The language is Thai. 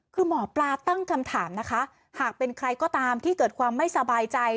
คือหมอปลาตั้งคำถามนะคะหากเป็นใครก็ตามที่เกิดความไม่สบายใจ